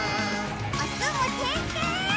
おつむてんてん！